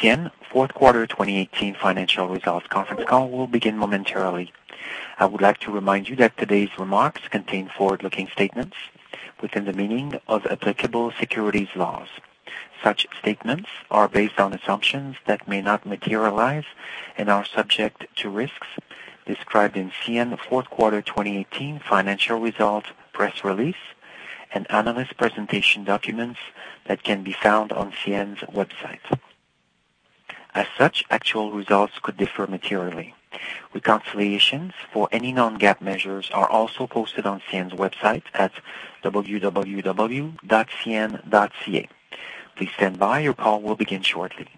CN fourth quarter 2018 financial results conference call will begin momentarily. I would like to remind you that today's remarks contain forward-looking statements within the meaning of applicable securities laws. Such statements are based on assumptions that may not materialize and are subject to risks described in CN fourth quarter 2018 financial results, press release, and analyst presentation documents that can be found on CN's website. As such, actual results could differ materially. Reconciliations for any non-GAAP measures are also posted on CN's website at www.cn.ca. Please stand by, your call will begin shortly.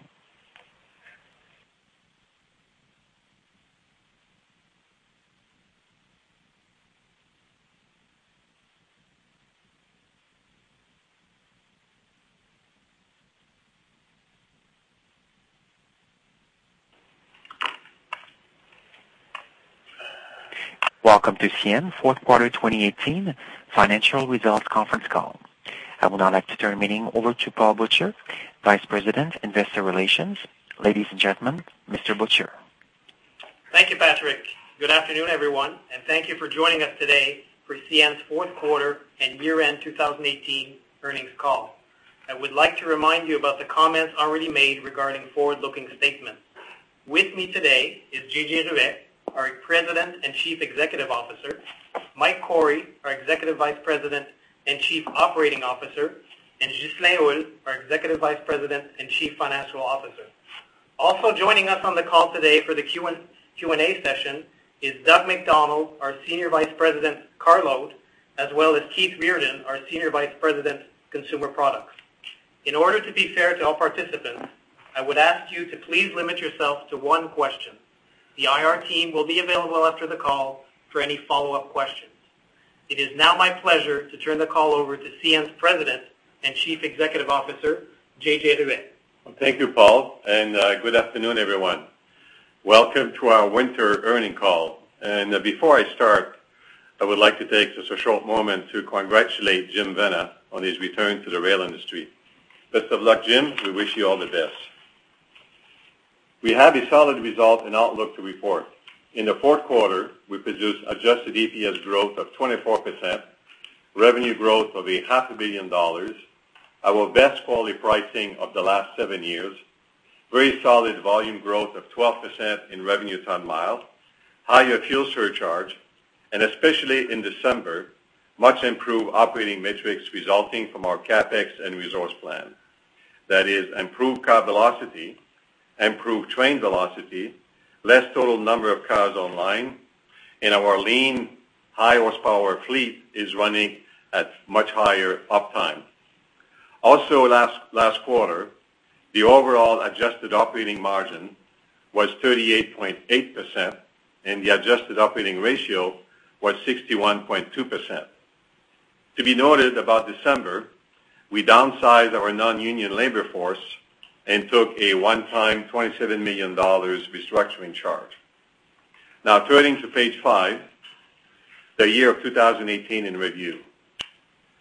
Welcome to CN fourth quarter 2018 financial results conference call. I would now like to turn the meeting over to Paul Butcher, Vice President, Investor Relations. Ladies and gentlemen, Mr. Butcher. Thank you, Patrick. Good afternoon, everyone, and thank you for joining us today for CN's fourth quarter and year-end 2018 earnings call. I would like to remind you about the comments already made regarding forward-looking statements. With me today is JJ Ruest, our President and Chief Executive Officer, Mike Cory, our Executive Vice President and Chief Operating Officer, and Ghislain, our Executive Vice President and Chief Financial Officer. Also joining us on the call today for the Q&A session is Doug MacDonald, our Senior Vice President, Carload, as well as Keith Reardon, our Senior Vice President, Consumer Products. In order to be fair to all participants, I would ask you to please limit yourself to one question. The IR team will be available after the call for any follow-up questions. It is now my pleasure to turn the call over to CN's President and Chief Executive Officer, JJ Ruest. Thank you, Paul, and good afternoon, everyone. Welcome to our winter earnings call. Before I start, I would like to take just a short moment to congratulate Jim Vena on his return to the rail industry. Best of luck, Jim. We wish you all the best. We have a solid result and outlook to report. In the fourth quarter, we produced adjusted EPS growth of 24%, revenue growth of $500 million, our best quality pricing of the last seven years, very solid volume growth of 12% in revenue ton-miles, higher fuel surcharge, and especially in December, much improved operating metrics resulting from our CapEx and resource plan. That is, improved car velocity, improved train velocity, less total number of cars online, and our lean, high horsepower fleet is running at much higher uptime. Also, last, last quarter, the overall adjusted operating margin was 38.8%, and the adjusted operating ratio was 61.2%. To be noted about December, we downsized our non-union labor force and took a one-time $27 million restructuring charge. Now, turning to page five, the year of 2018 in review.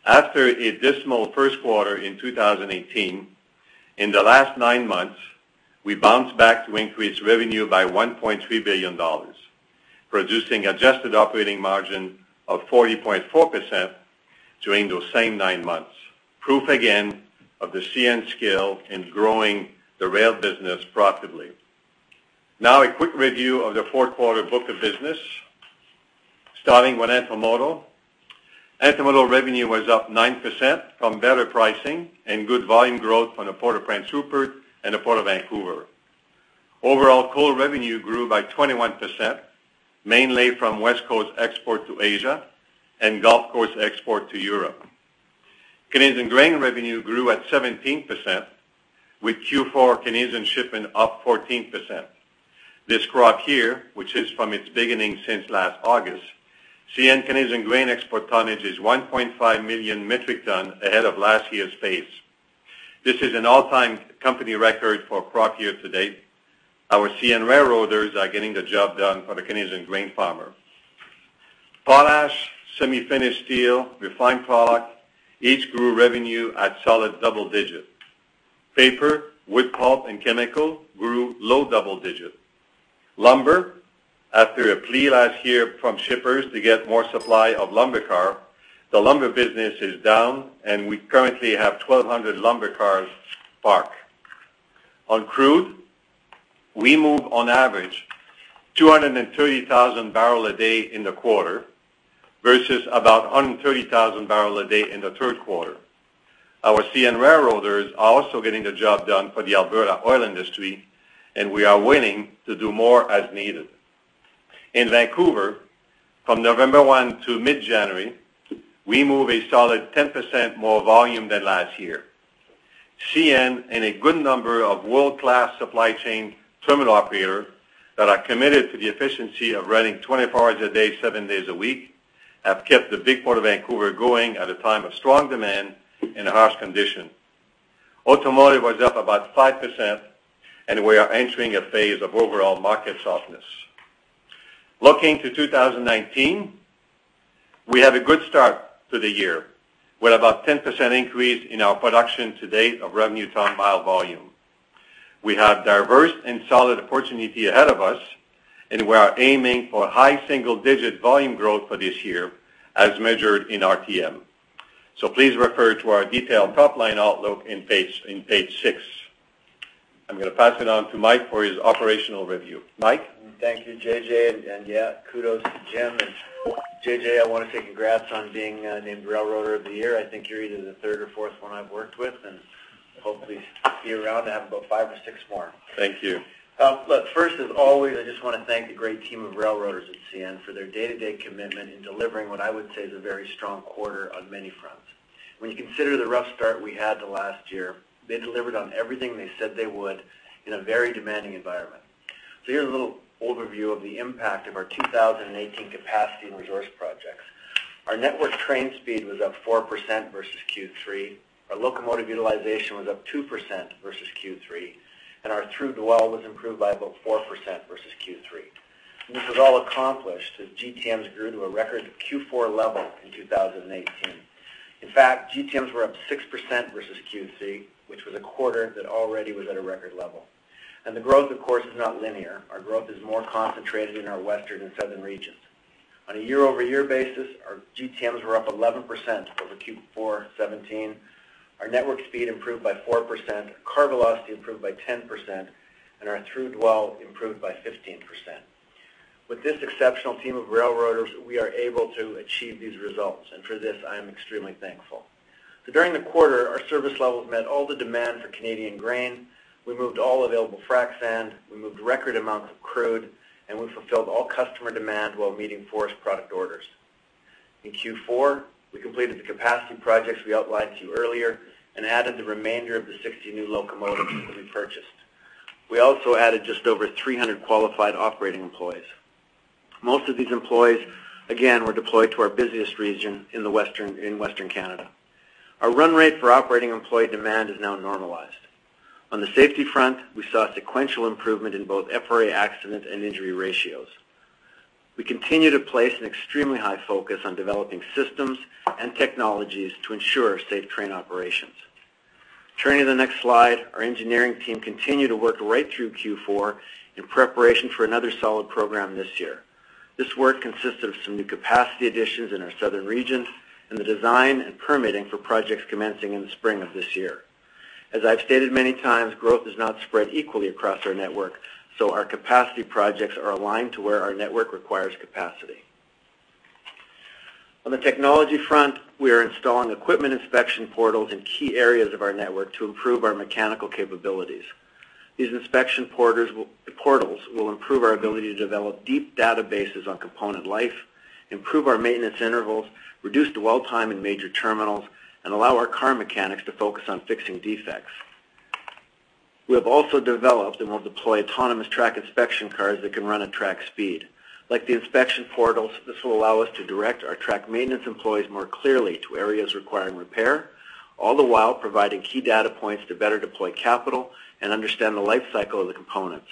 After a dismal first quarter in 2018, in the last nine months, we bounced back to increase revenue by $1.3 billion, producing adjusted operating margin of 40.4% during those same nine months. Proof again of the CN scale in growing the rail business profitably. Now, a quick review of the fourth quarter book of business, starting with Intermodal. Intermodal revenue was up 9% from better pricing and good volume growth from the Port of Prince Rupert and the Port of Vancouver. Overall, coal revenue grew by 21%, mainly from West Coast export to Asia and Gulf Coast export to Europe. Canadian grain revenue grew at 17%, with Q4 Canadian shipping up 14%. This crop here, which is from its beginning since last August, CN Canadian grain export tonnage is 1.5 million metric ton ahead of last year's pace. This is an all-time company record for crop year to date. Our CN railroaders are getting the job done for the Canadian grain farmer. Potash, semi-finished steel, refined product, each grew revenue at solid double digit. Paper, wood pulp, and chemical grew low double digit. Lumber, after a plea last year from shippers to get more supply of lumber car, the lumber business is down, and we currently have 1,200 lumber cars parked. On crude, we move on average 230,000 barrels a day in the quarter, versus about 130,000 barrels a day in the third quarter. Our CN railroaders are also getting the job done for the Alberta oil industry, and we are willing to do more as needed. In Vancouver, from November 1 to mid-January, we move a solid 10% more volume than last year. CN, and a good number of world-class supply chain terminal operators that are committed to the efficiency of running 24 hours a day, 7 days a week, have kept the big Port of Vancouver going at a time of strong demand and harsh conditions. Automotive was up about 5%, and we are entering a phase of overall market softness. ...Looking to 2019, we have a good start to the year, with about 10% increase in our production to date of revenue ton-mile volume. We have diverse and solid opportunity ahead of us, and we are aiming for high single-digit volume growth for this year as measured in RTM. So please refer to our detailed top-line outlook in page, in page six. I'm gonna pass it on to Mike for his operational review. Mike? Thank you, JJ. Yeah, kudos to Jim. JJ, I wanna say congrats on being named Railroader of the Year. I think you're either the third or fourth one I've worked with, and hopefully be around to have about five or six more. Thank you. Look, first, as always, I just wanna thank the great team of railroaders at CN for their day-to-day commitment in delivering what I would say is a very strong quarter on many fronts. When you consider the rough start we had the last year, they delivered on everything they said they would in a very demanding environment. Here's a little overview of the impact of our 2018 capacity and resource projects. Our network train speed was up 4% versus Q3. Our locomotive utilization was up 2% versus Q3, and our through dwell was improved by about 4% versus Q3. And this was all accomplished as GTMs grew to a record Q4 level in 2018. In fact, GTMs were up 6% versus Q3, which was a quarter that already was at a record level. The growth, of course, is not linear. Our growth is more concentrated in our Western and Southern regions. On a year-over-year basis, our GTMs were up 11% over Q4 2017. Our network speed improved by 4%, car velocity improved by 10%, and our through dwell improved by 15%. With this exceptional team of railroaders, we are able to achieve these results, and for this, I am extremely thankful. So during the quarter, our service levels met all the demand for Canadian grain. We moved all available frac sand, we moved record amounts of crude, and we fulfilled all customer demand while meeting forest product orders. In Q4, we completed the capacity projects we outlined to you earlier and added the remainder of the 60 new locomotives that we purchased. We also added just over 300 qualified operating employees. Most of these employees, again, were deployed to our busiest region in Western Canada. Our run rate for operating employee demand is now normalized. On the safety front, we saw a sequential improvement in both FRA accident and injury ratios. We continue to place an extremely high focus on developing systems and technologies to ensure safe train operations. Turning to the next slide, our engineering team continued to work right through Q4 in preparation for another solid program this year. This work consists of some new capacity additions in our southern regions and the design and permitting for projects commencing in the spring of this year. As I've stated many times, growth is not spread equally across our network, so our capacity projects are aligned to where our network requires capacity. On the technology front, we are installing equipment inspection portals in key areas of our network to improve our mechanical capabilities. These inspection portals will improve our ability to develop deep databases on component life, improve our maintenance intervals, reduce dwell time in major terminals, and allow our car mechanics to focus on fixing defects. We have also developed and will deploy autonomous track inspection cars that can run at track speed. Like the inspection portals, this will allow us to direct our track maintenance employees more clearly to areas requiring repair, all the while providing key data points to better deploy capital and understand the life cycle of the components.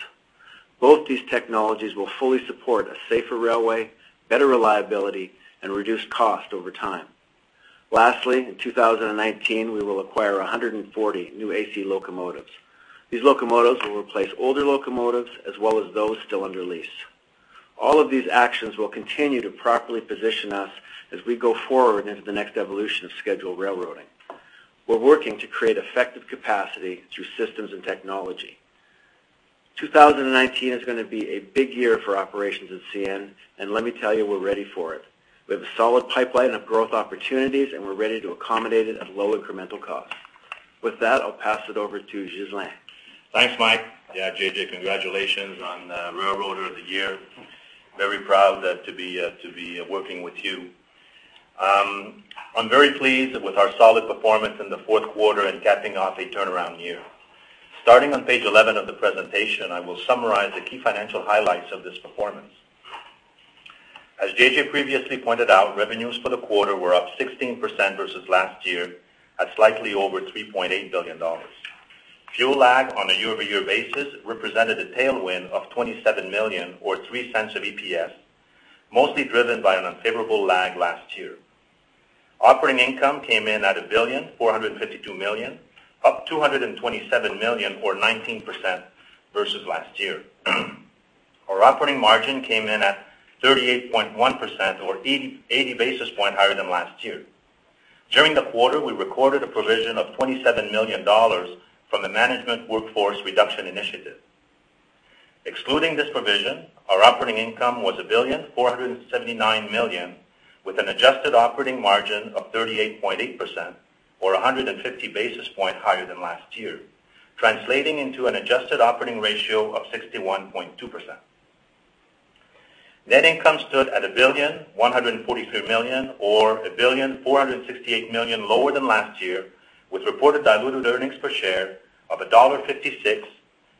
Both these technologies will fully support a safer railway, better reliability, and reduced cost over time. Lastly, in 2019, we will acquire 140 new AC locomotives. These locomotives will replace older locomotives as well as those still under lease. All of these actions will continue to properly position us as we go forward into the next evolution of scheduled railroading. We're working to create effective capacity through systems and technology. 2019 is gonna be a big year for operations at CN, and let me tell you, we're ready for it. We have a solid pipeline of growth opportunities, and we're ready to accommodate it at low incremental cost. With that, I'll pass it over to Ghislain. Thanks, Mike. Yeah, JJ, congratulations on Railroader of the Year. Very proud to be working with you. I'm very pleased with our solid performance in the fourth quarter and capping off a turnaround year. Starting on page 11 of the presentation, I will summarize the key financial highlights of this performance. As JJ previously pointed out, revenues for the quarter were up 16% versus last year, at slightly over $3.8 billion. Fuel lag on a year-over-year basis represented a tailwind of $27 million or $0.3 of EPS, mostly driven by an unfavorable lag last year. Operating income came in at $1.452 billion, up $227 million or 19% versus last year. Our operating margin came in at 38.1% or 80 basis points higher than last year. During the quarter, we recorded a provision of $27 million from the management workforce reduction initiative. Excluding this provision, our operating income was $1.479 billion, with an adjusted operating margin of 38.8% or 150 basis points higher than last year, translating into an adjusted operating ratio of 61.2%. Net income stood at $1.143 billion, or $1.468 billion lower than last year, with reported diluted earnings per share of $1.56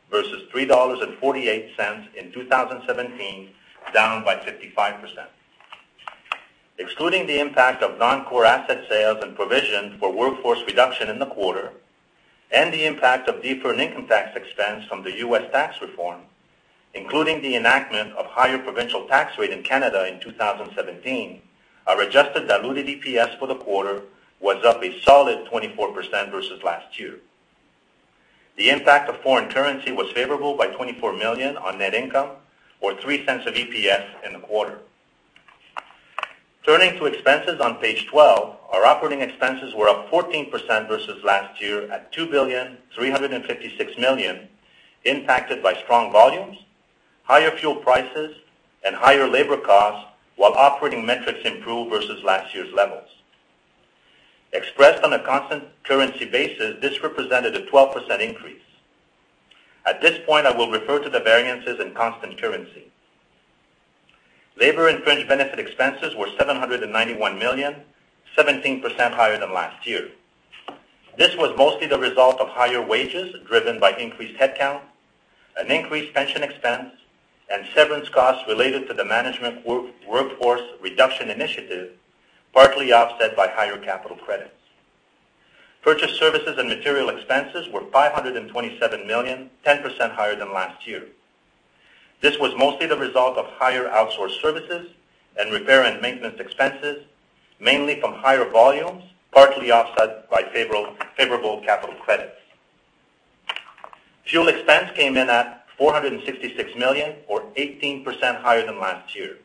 versus $3.48 in 2017, down by 55%.... Excluding the impact of non-core asset sales and provision for workforce reduction in the quarter, and the impact of deferred income tax expense from the U.S. tax reform, including the enactment of higher provincial tax rate in Canada in 2017, our adjusted diluted EPS for the quarter was up a solid 24% versus last year. The impact of foreign currency was favorable by $24 million on net income, or $0.3 of EPS in the quarter. Turning to expenses on page 12, our operating expenses were up 14% versus last year at $2.356 billion, impacted by strong volumes, higher fuel prices, and higher labor costs, while operating metrics improved versus last year's levels. Expressed on a constant currency basis, this represented a 12% increase. At this point, I will refer to the variances in constant currency. Labor and fringe benefit expenses were $791 million, 17% higher than last year. This was mostly the result of higher wages, driven by increased headcount, an increased pension expense, and severance costs related to the management workforce reduction initiative, partly offset by higher capital credits. Purchase services and material expenses were $527 million, 10% higher than last year. This was mostly the result of higher outsourced services and repair and maintenance expenses, mainly from higher volumes, partly offset by favorable capital credits. Fuel expense came in at $466 million, or 18% higher than last year.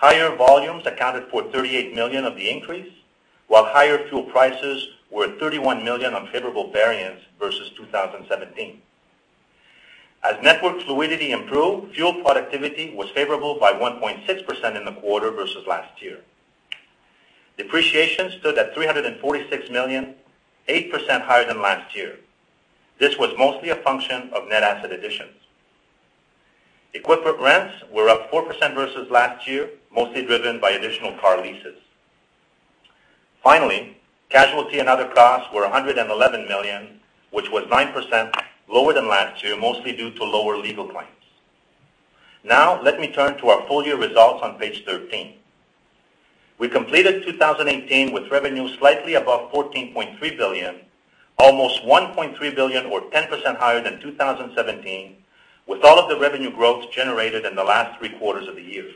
Higher volumes accounted for $38 million of the increase, while higher fuel prices were $31 million unfavorable variance versus 2017. As network fluidity improved, fuel productivity was favorable by 1.6% in the quarter versus last year. Depreciation stood at $346 million, 8% higher than last year. This was mostly a function of net asset additions. Equipment rents were up 4% versus last year, mostly driven by additional car leases. Finally, casualty and other costs were $111 million, which was 9% lower than last year, mostly due to lower legal claims. Now, let me turn to our full year results on page 13. We completed 2018 with revenue slightly above $14.3 billion, almost $1.3 billion, or 10% higher than 2017, with all of the revenue growth generated in the last three quarters of the year.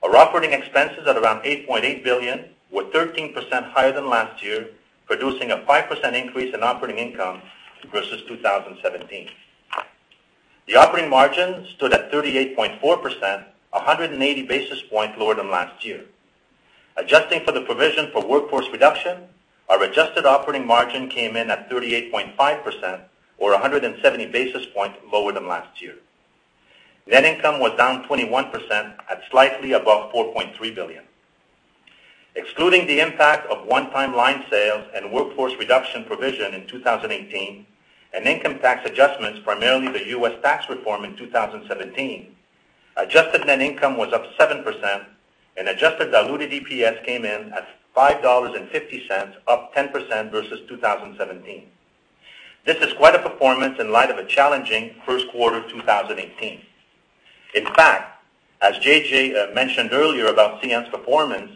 Our operating expenses at around $8.8 billion, were 13% higher than last year, producing a 5% increase in operating income versus 2017. The operating margin stood at 38.4%, 180 basis points lower than last year. Adjusting for the provision for workforce reduction, our adjusted operating margin came in at 38.5% or 170 basis points lower than last year. Net income was down 21% at slightly above $4.3 billion. Excluding the impact of one-time line sales and workforce reduction provision in 2018, and income tax adjustments, primarily the US tax reform in 2017, adjusted net income was up 7%, and adjusted diluted EPS came in at $5.50, up 10% versus 2017. This is quite a performance in light of a challenging first quarter of 2018. In fact, as JJ mentioned earlier about CN's performance,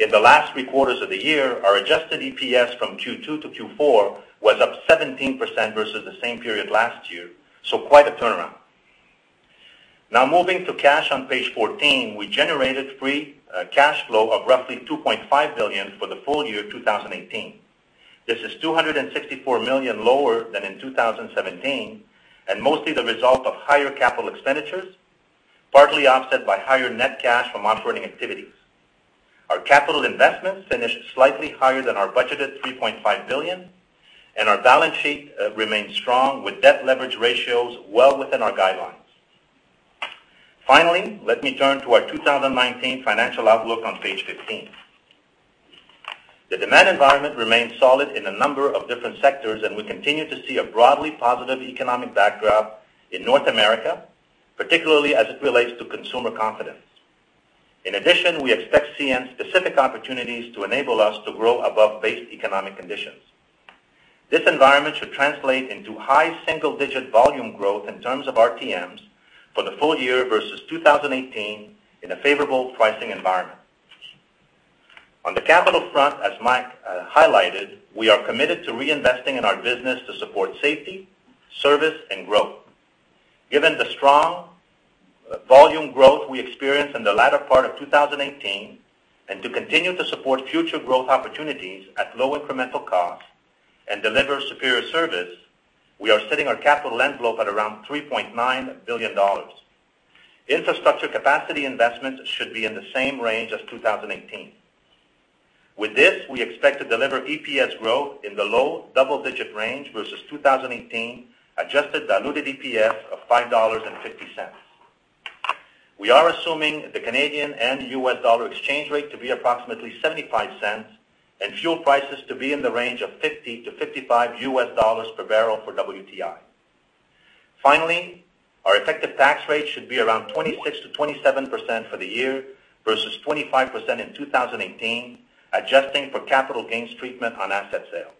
in the last three quarters of the year, our adjusted EPS from Q2 to Q4 was up 17% versus the same period last year, so quite a turnaround. Now, moving to cash on page 14, we generated free cash flow of roughly $2.5 billion for the full year 2018. This is $264 million lower than in 2017, and mostly the result of higher capital expenditures, partly offset by higher net cash from operating activities. Our capital investments finished slightly higher than our budgeted $3.5 billion, and our balance sheet remains strong, with debt leverage ratios well within our guidelines. Finally, let me turn to our 2019 financial outlook on page 15. The demand environment remains solid in a number of different sectors, and we continue to see a broadly positive economic backdrop in North America, particularly as it relates to consumer confidence. In addition, we expect CN-specific opportunities to enable us to grow above base economic conditions. This environment should translate into high single-digit volume growth in terms of RTMs for the full year versus 2018 in a favorable pricing environment. On the capital front, as Mike highlighted, we are committed to reinvesting in our business to support safety, service, and growth. Given the strong volume growth we experienced in the latter part of 2018, and to continue to support future growth opportunities at low incremental cost and deliver superior service, we are setting our capital envelope at around $3.9 billion. Infrastructure capacity investments should be in the same range as 2018. With this, we expect to deliver EPS growth in the low double-digit range versus 2018, adjusted diluted EPS of $5.50. We are assuming the Canadian and US dollar exchange rate to be approximately $0.75, and fuel prices to be in the range of $50-$55 per barrel for WTI. Finally, our effective tax rate should be around 26%-27% for the year, versus 25% in 2018, adjusting for capital gains treatment on asset sale.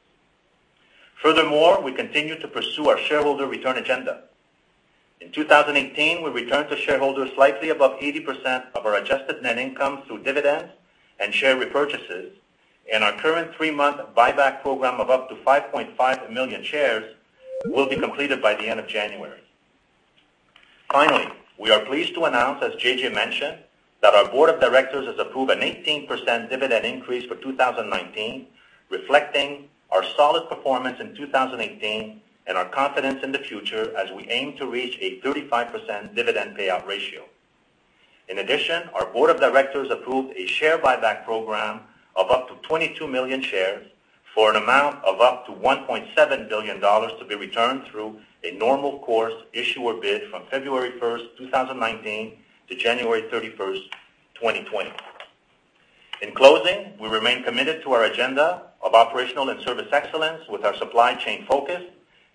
Furthermore, we continue to pursue our shareholder return agenda. In 2018, we returned to shareholders slightly above 80% of our adjusted net income through dividends and share repurchases, and our current three-month buyback program of up to 5.5 million shares will be completed by the end of January. Finally, we are pleased to announce, as JJ mentioned, that our board of directors has approved an 18% dividend increase for 2019, reflecting our solid performance in 2018 and our confidence in the future as we aim to reach a 35% dividend payout ratio. In addition, our board of directors approved a share buyback program of up to 22 million shares for an amount of up to $1.7 billion to be returned through a normal course issuer bid from February 1, 2019, to January 31, 2020. In closing, we remain committed to our agenda of operational and service excellence with our supply chain focus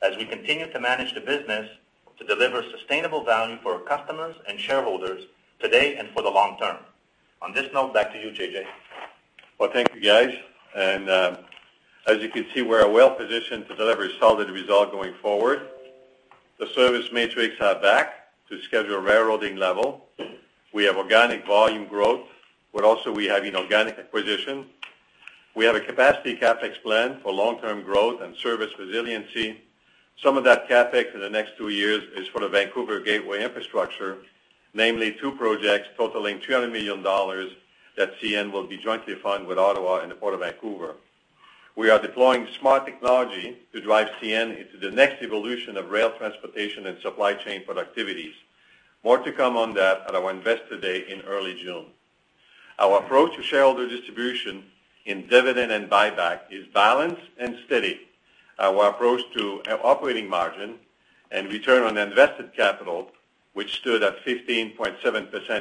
as we continue to manage the business to deliver sustainable value for our customers and shareholders today and for the long term. On this note, back to you, JJ. Well, thank you, guys. As you can see, we are well-positioned to deliver a solid result going forward. The service metrics are back to scheduled railroading level. We have organic volume growth, but also we have an organic acquisition. We have a capacity CapEx plan for long-term growth and service resiliency. Some of that CapEx in the next two years is for the Vancouver gateway infrastructure, namely two projects totaling CAD $300 million that CN will be jointly funding with Ottawa and the Port of Vancouver. We are deploying smart technology to drive CN into the next evolution of rail transportation and supply chain productivities. More to come on that at our Investor Day in early June. Our approach to shareholder distribution in dividend and buyback is balanced and steady. Our approach to our operating margin and return on invested capital, which stood at 15.7%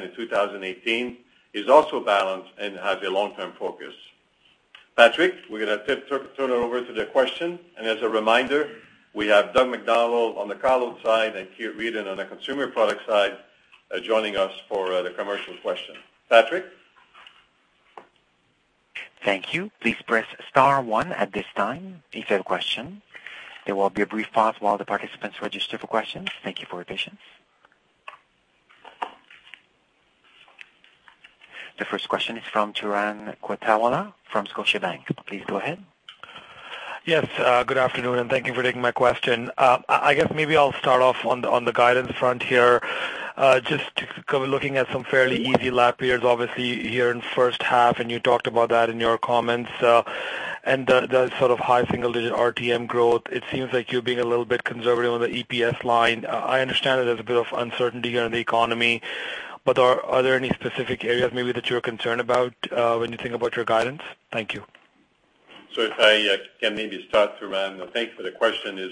in 2018, is also balanced and has a long-term focus. Patrick, we're gonna turn it over to the question, and as a reminder, we have Doug MacDonald on the cargo side and Keith Reardon on the consumer products side, joining us for the commercial question. Patrick? Thank you. Please press star one at this time if you have a question. There will be a brief pause while the participants register for questions. Thank you for your patience. The first question is from Turan Quettawala from Scotiabank. Please go ahead. Yes, good afternoon, and thank you for taking my question. I guess maybe I'll start off on the guidance front here. Just kind of looking at some fairly easy lap years, obviously, here in first half, and you talked about that in your comments. And the sort of high single-digit RTM growth, it seems like you're being a little bit conservative on the EPS line. I understand that there's a bit of uncertainty here in the economy, but are there any specific areas maybe that you're concerned about when you think about your guidance? Thank you. So if I can maybe start, Taran, thanks for the question, is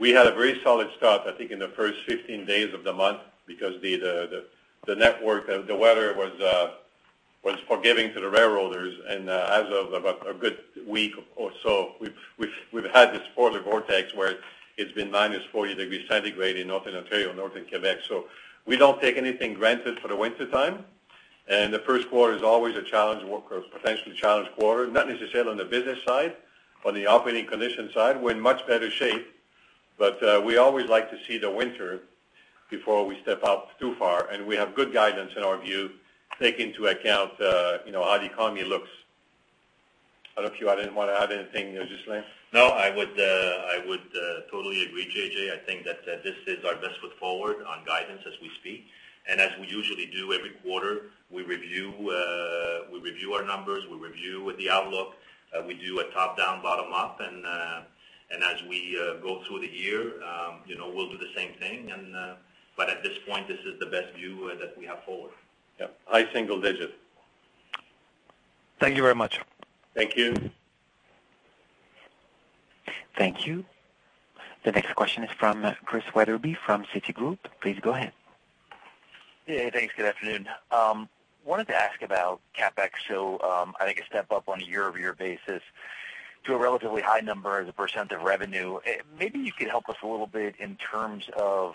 we had a very solid start, I think, in the first 15 days of the month, because the network, the weather was forgiving to the railroaders. And as of about a good week or so, we've had this polar vortex, where it's been minus 40 degrees centigrade in Northern Ontario, Northern Quebec. So we don't take anything for granted for the wintertime, and the first quarter is always a challenge, or potentially challenged quarter, not necessarily on the business side, on the operating condition side. We're in much better shape, but we always like to see the winter before we step out too far, and we have good guidance in our view, take into account, you know, how the economy looks. I don't know if you, I didn't want to add anything, Ghislain Houle. No, I would, I would, totally agree, JJ. I think that, this is our best foot forward on guidance as we speak. And as we usually do every quarter, we review, we review our numbers, we review the outlook, we do a top-down, bottom-up, and, and as we, go through the year, you know, we'll do the same thing. And, but at this point, this is the best view, that we have forward. Yep, high single digits. Thank you very much. Thank you. Thank you. The next question is from Chris Wetherbee, from Citigroup. Please go ahead. Yeah, thanks. Good afternoon. Wanted to ask about CapEx. So, I think a step up on a year-over-year basis to a relatively high number as a % of revenue. Maybe you could help us a little bit in terms of,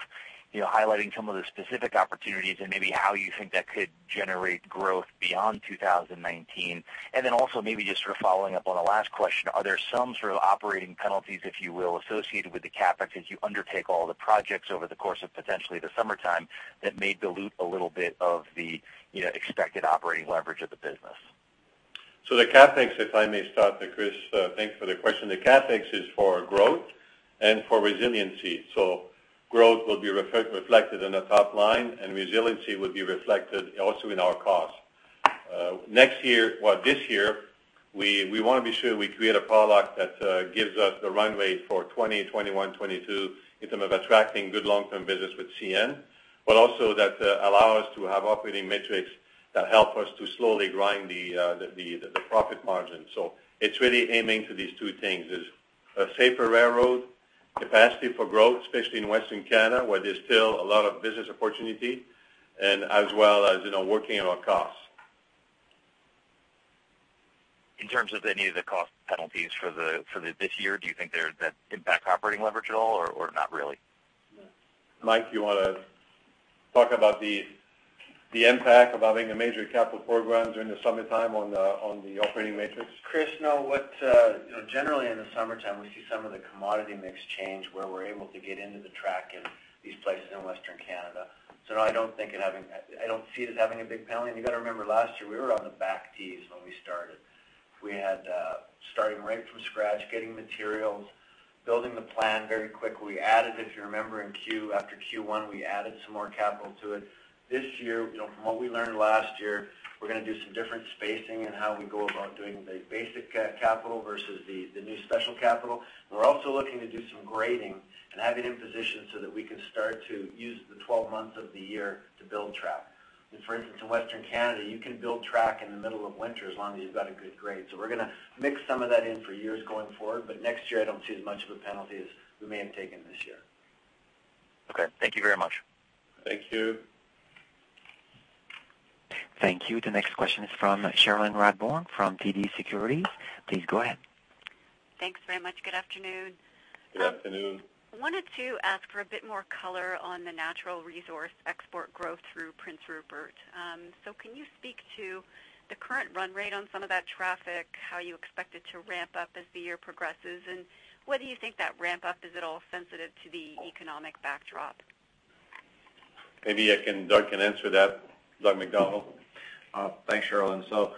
you know, highlighting some of the specific opportunities and maybe how you think that could generate growth beyond 2019. And then also maybe just sort of following up on the last question, are there some sort of operating penalties, if you will, associated with the CapEx as you undertake all the projects over the course of potentially the summertime that may dilute a little bit of the, you know, expected operating leverage of the business? So the CapEx, if I may start there, Chris, thanks for the question. The CapEx is for growth and for resiliency. So growth will be reflected in the top line, and resiliency will be reflected also in our costs. Next year, well, this year, we want to be sure we create a product that gives us the runway for 2020, 2021, 2022 in terms of attracting good long-term business with CN, but also that allow us to have operating metrics that help us to slowly grind the profit margin. So it's really aiming to these two things, is a safer railroad, capacity for growth, especially in Western Canada, where there's still a lot of business opportunity and as well as, you know, working on our costs. In terms of any of the cost penalties for this year, do you think there, that impact operating leverage at all or not really?... Mike, you want to talk about the impact of having a major capital program during the summertime on the operating metrics? Chris, no. What, you know, generally, in the summertime, we see some of the commodity mix change, where we're able to get into the track in these places in Western Canada. So no, I don't think it having. I don't see it as having a big penalty. And you got to remember, last year, we were on the back tees when we started. We had, starting right from scratch, getting materials, building the plan very quickly. We added, if you remember, in Q, after Q1, we added some more capital to it. This year, you know, from what we learned last year, we're gonna do some different spacing and how we go about doing the basic capital versus the, the new special capital. We're also looking to do some grading and have it in position so that we can start to use the 12 months of the year to build track. For instance, in Western Canada, you can build track in the middle of winter as long as you've got a good grade. We're gonna mix some of that in for years going forward, but next year, I don't see as much of a penalty as we may have taken this year. Okay. Thank you very much. Thank you. Thank you. The next question is from Cherlyn Radbourne from TD Securities. Please go ahead. Thanks very much. Good afternoon. Good afternoon. I wanted to ask for a bit more color on the natural resource export growth through Prince Rupert. So can you speak to the current run rate on some of that traffic, how you expect it to ramp up as the year progresses? And whether you think that ramp up, is it all sensitive to the economic backdrop? Doug can answer that. Doug MacDonald. Thanks, Cherlyn. So,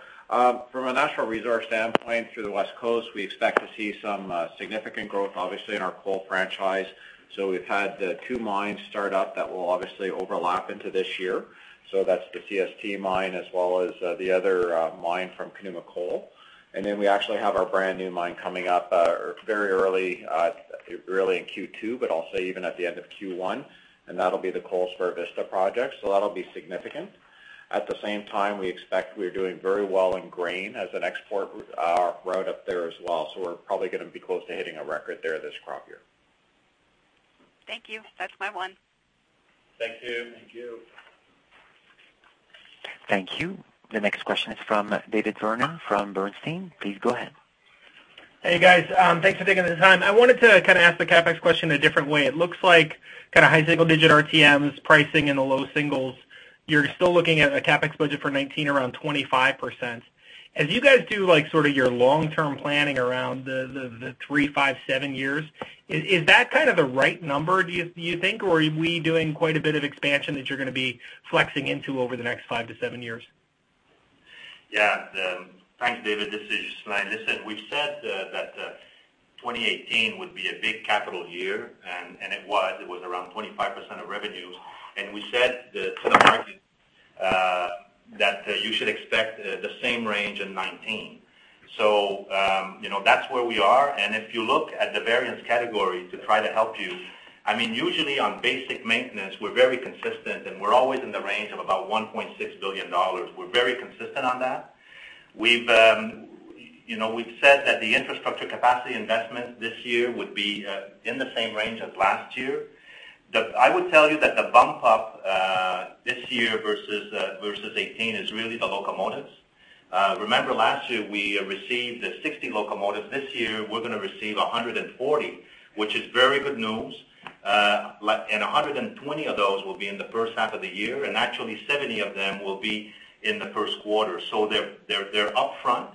from a natural resource standpoint, through the West Coast, we expect to see some significant growth, obviously, in our coal franchise. So we've had two mines start up that will obviously overlap into this year. So that's the CST mine as well as the other mine from Conuma Coal. And then we actually have our brand new mine coming up very early in Q2, but also even at the end of Q1, and that'll be the Vista Coal project. So that'll be significant. At the same time, we expect we're doing very well in grain as an export route up there as well. So we're probably gonna be close to hitting a record there this crop year. Thank you. That's my one. Thank you. Thank you. Thank you. The next question is from David Vernon from Bernstein. Please go ahead. Hey, guys. Thanks for taking the time. I wanted to kind of ask the CapEx question a different way. It looks like kind of high single-digit RTMs, pricing in the low singles. You're still looking at a CapEx budget for 2019 around 25%. As you guys do, like, sort of your long-term planning around the three, five, seven years, is that kind of the right number, do you think? Or are we doing quite a bit of expansion that you're gonna be flexing into over the next five to seven years? Yeah. Thanks, David. This is Ghislain. Listen, we've said that 2018 would be a big capital year, and, and it was. It was around 25% of revenue. And we said to the market that you should expect the same range in 2019. So, you know, that's where we are. And if you look at the variance category to try to help you, I mean, usually on basic maintenance, we're very consistent, and we're always in the range of about $1.6 billion. We're very consistent on that. We've, you know, we've said that the infrastructure capacity investment this year would be in the same range as last year. I would tell you that the bump up this year versus versus 2018 is really the locomotives. Remember last year, we received 60 locomotives. This year, we're gonna receive 140, which is very good news. Like, and 120 of those will be in the first half of the year, and actually, 70 of them will be in the first quarter. So they're, they're, they're upfront.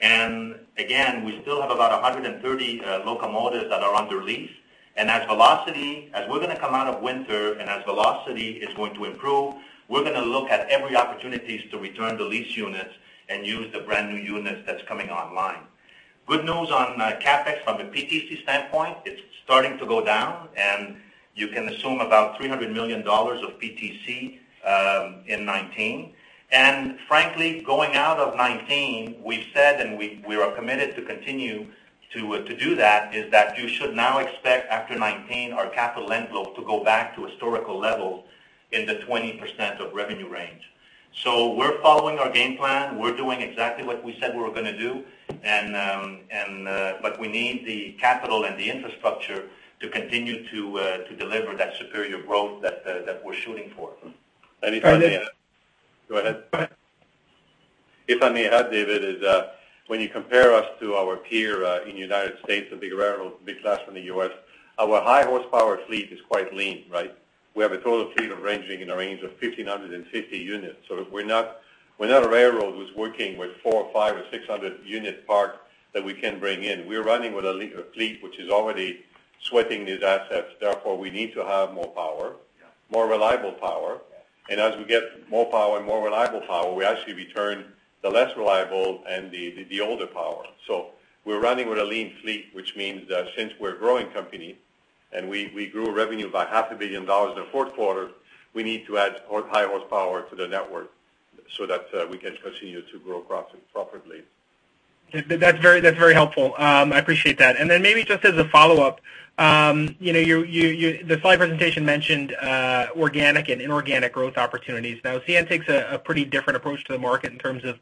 And again, we still have about 130 locomotives that are under lease. And as velocity, as we're gonna come out of winter and as velocity is going to improve, we're gonna look at every opportunities to return the lease units and use the brand-new units that's coming online. Good news on, CapEx from the PTC standpoint, it's starting to go down, and you can assume about $300 million of PTC in 2019. And frankly, going out of 2019, we've said, and we are committed to continue to do that, is that you should now expect after 2019, our capital envelope to go back to historical levels in the 20% of revenue range. So we're following our game plan. We're doing exactly what we said we were gonna do, and, and but we need the capital and the infrastructure to continue to deliver that superior growth that that we're shooting for. Maybe if I may... Go ahead. If I may add, David, when you compare us to our peer in United States, the big railroads, big Class I's in the U.S., our high horsepower fleet is quite lean, right? We have a total fleet of ranging in a range of 1,550 units. So we're not, we're not a railroad who's working with 400 or 500 or 600 unit fleet that we can bring in. We're running with a fleet, which is already sweating these assets. Therefore, we need to have more power- Yeah. more reliable power. Yeah. As we get more power and more reliable power, we actually return the less reliable and the older power. So we're running with a lean fleet, which means that since we're a growing company and we grew revenue by $500 million in the fourth quarter, we need to add more high horsepower to the network so that we can continue to grow profit properly. That's very helpful. I appreciate that. Then maybe just as a follow-up, you know, the slide presentation mentioned organic and inorganic growth opportunities. Now, CN takes a pretty different approach to the market in terms of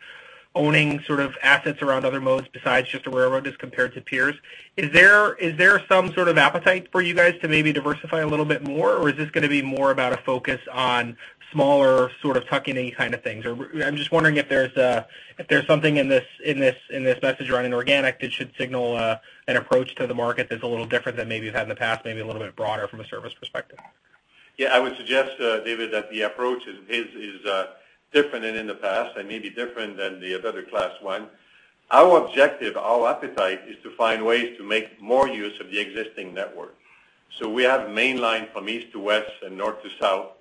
owning sort of assets around other modes besides just a railroad as compared to peers. Is there some sort of appetite for you guys to maybe diversify a little bit more, or is this gonna be more about a focus on smaller, sort of, tuck in any kind of things? Or I'm just wondering if there's something in this message around inorganic that should signal an approach to the market that's a little different than maybe you've had in the past, maybe a little bit broader from a service perspective?... Yeah, I would suggest, David, that the approach is different than in the past and maybe different than the other Class 1. Our objective, our appetite, is to find ways to make more use of the existing network. So we have mainline from east to west and north to south,